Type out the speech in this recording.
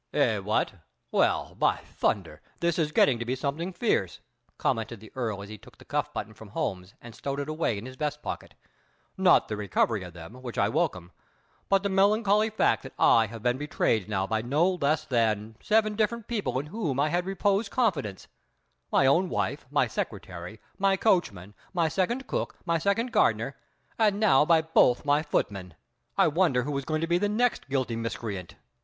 "Eh, what? Well, by thunder, this is getting to be something fierce!" commented the Earl as he took the cuff button from Holmes and stowed it away in his vest pocket, "not the recovery of them, which I welcome, but the melancholy fact that I have been betrayed now by no less than, seven different people in whom I have reposed confidence, my own wife, my secretary, my coachman, my second cook, my second gardener, and now by both my footmen! I wonder who is going to be the next guilty miscreant!"